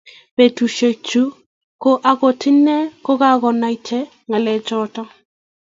Betushechu ko okot inee ko kokunaita ngalechoto.